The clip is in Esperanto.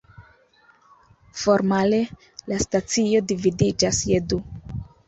Formale, la stacio dividiĝas je du.